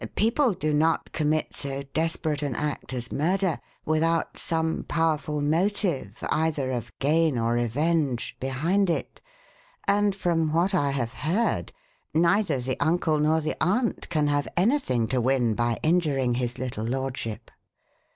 People do not commit so desperate an act as murder without some powerful motive, either of gain or revenge, behind it, and from what I have heard, neither the uncle nor the aunt can have anything to win by injuring his little lordship."